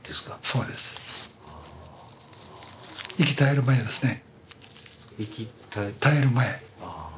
そうです、息絶える前ですね。